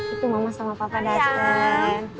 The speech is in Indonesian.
itu mama sama papa datang